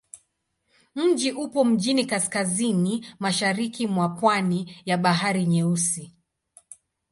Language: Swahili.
Mji upo mjini kaskazini-mashariki mwa pwani ya Bahari Nyeusi.